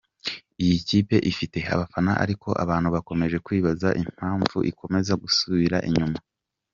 Iyi kipe ifite abafana ariko abantu bakomeje kwibaza impamvu ikomeza gusubira inyuma.